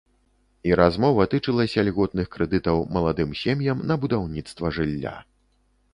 І размова тычылася льготных крэдытаў маладым сем'ям на будаўніцтва жылля.